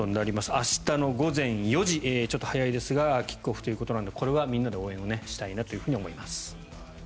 明日の午前４時ちょっと早いですがキックオフということでこれはみんなで応援したいなと思います。